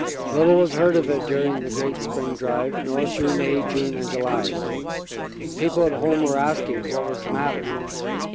Little was heard of it during the great spring drive, nor through May, June and July. People at home were asking what was the matter.